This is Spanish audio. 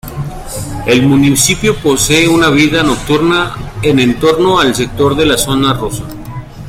El municipio posee una vida nocturna en torno al sector de la Zona Rosa.